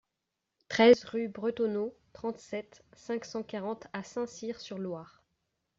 treize rue Bretonneau, trente-sept, cinq cent quarante à Saint-Cyr-sur-Loire